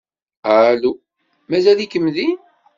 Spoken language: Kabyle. Alu? Mazal-ikem din?